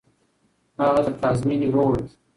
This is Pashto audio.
هغه له پلازمېنې ووت.